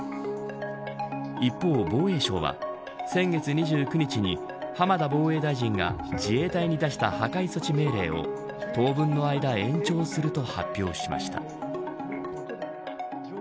一方、防衛省は先月２９日に浜田防衛大臣が自衛隊に出した破壊措置命令を当分の間延長すると発表しました。